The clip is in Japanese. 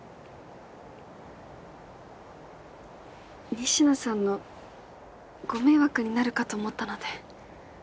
仁科さんのご迷惑になるかと思ったので。